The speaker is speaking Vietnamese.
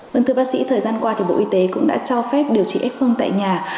vâng thưa bác sĩ thời gian qua thì bộ y tế cũng đã cho phép điều trị f tại nhà